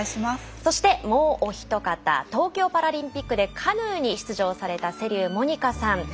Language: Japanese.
そして、もうひとかた東京パラリンピックでカヌーに出場された瀬立モニカさん。